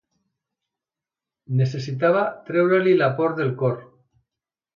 Necessitava treure-li la por del cor.